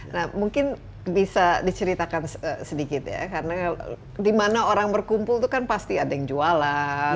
nah mungkin bisa diceritakan sedikit ya karena di mana orang berkumpul itu kan pasti ada yang jualan